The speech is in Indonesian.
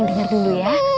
neng denger dulu ya